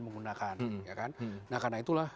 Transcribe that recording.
menggunakan nah karena itulah